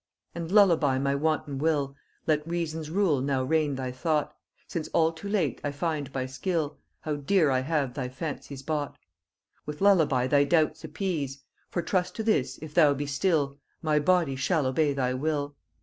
And lullaby my wanton will, Let reason's rule now reign thy thought, Since all too late I find by skill, How dear I have thy fancies bought: With lullaby now take thine ease, With lullaby thy doubts appease; For trust to this, if thou be still, My body shall obey thy will.